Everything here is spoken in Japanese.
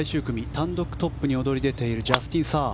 単独トップに躍り出ているジャスティン・サー。